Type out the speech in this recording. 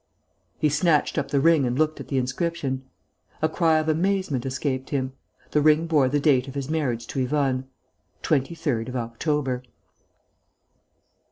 He snatched up the ring and looked at the inscription. A cry of amazement escaped him. The ring bore the date of his marriage to Yvonne: "23rd of October"!...